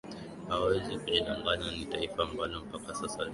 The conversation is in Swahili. hawezi kujidanganya ni taifa ambalo mpaka sasa lina matatizo makubwa sana ya